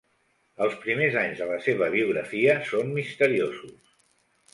Els primers anys de la seva biografia són misteriosos.